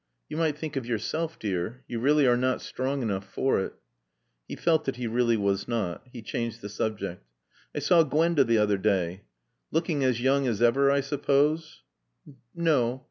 "You might think of yourself, dear. You really are not strong enough for it." He felt that he really was not. He changed the subject. "I saw Gwenda the other day." "Looking as young as ever, I suppose?" "No.